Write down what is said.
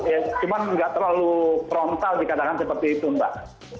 ya cuma nggak terlalu frontal dikadangkan seperti itu mbak